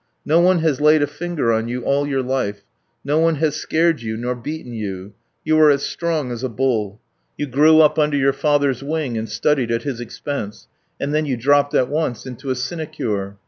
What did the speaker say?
No one has laid a finger on you all your life, no one has scared you nor beaten you; you are as strong as a bull. You grew up under your father's wing and studied at his expense, and then you dropped at once into a sinecure.